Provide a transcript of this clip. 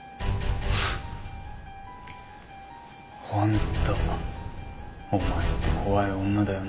本当お前って怖い女だよな。